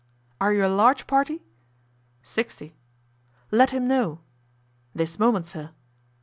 "Are you a large party?" "Sixty." "Let him know." "This moment, sir."